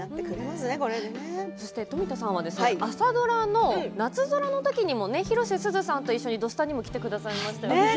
富田さんは朝ドラの「なつぞら」の時に広瀬すずさんと一緒に「土スタ」に来てくださいましたね。